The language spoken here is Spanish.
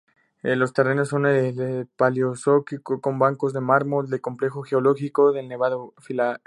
Los terrenos son del paleozoico con bancos de mármol del complejo geológico del Nevado-Filabre.